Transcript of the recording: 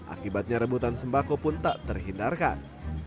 akibatnya rebutan sembako pun tak terhindarkan